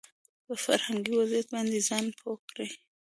په فرهنګي وضعيت باندې ځان پوه کړي